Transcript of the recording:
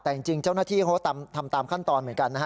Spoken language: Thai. แต่จริงเจ้าหน้าที่เขาก็ทำตามขั้นตอนเหมือนกันนะฮะ